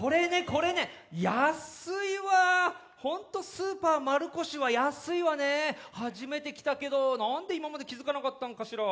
これね安いわホントスーパー丸越は安いわね初めて来たけどなんで今まで気づかなかったんかしら